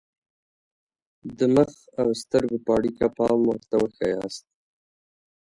د مخ او سترګو په اړیکه پام ورته وښایاست.